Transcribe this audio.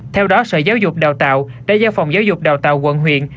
theo đó sở giáo dục đào tạo đã giao phòng giáo dục đào tạo quận huyện